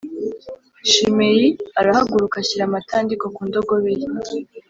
Shimeyi arahaguruka ashyira amatandiko ku ndogobe ye